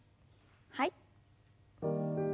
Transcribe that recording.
はい。